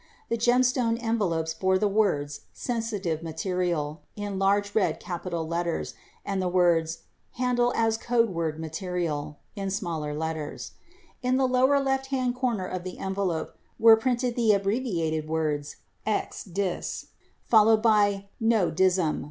52 The Gemstone envelopes bore the words "Sensitive Material" in large red capital letters and the words "handle as code word material" in smaller letters. In the lower left hand corner of the envelope were printed the abbreviated words, "Ex Dis," followed by "No Dism."